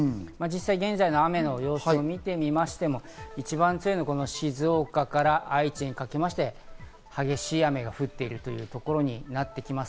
現在の雨の様子を見てみましても、一番強いのは静岡から愛知にかけまして激しい雨が降っているところになってきます。